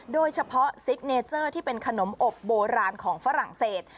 ซิกเนเจอร์ที่เป็นขนมอบโบราณของฝรั่งเศส